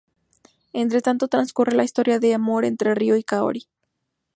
Entre tanto, transcurre la historia de amor entre Ryo y Kaori.